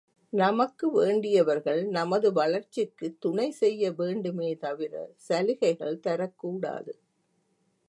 நமக்கு வேண்டியவர்கள் நமது வளர்ச்சிக்குத் துணை செய்ய வேண்டுமே தவிர சலுகைகள் தரக்கூடாது.